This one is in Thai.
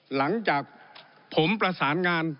หลังจากผมประสานงาน